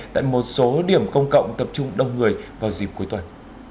tại một số điểm công cộng tập trung đông người vào dịp cuối tuần